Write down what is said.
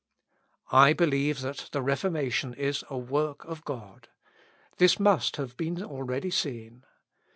I believe that the Reformation is a work of God; this must have been already seen.